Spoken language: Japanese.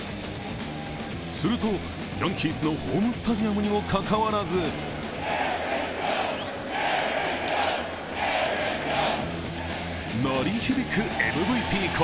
すると、ヤンキースのホームスタジアムにもかかわらず鳴り響くＭＶＰコール。